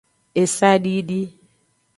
Esadidi.